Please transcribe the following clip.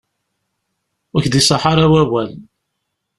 Ur k-id-iṣaḥ ara wawal.